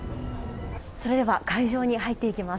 それでは会場に入っていきます。